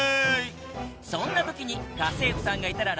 そんな時に家政夫さんがいたら楽ですよね？